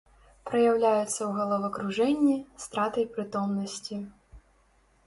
Праяўляецца ў галавакружэнні, стратай прытомнасці.